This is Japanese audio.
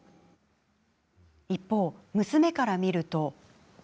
一方、娘から見ると。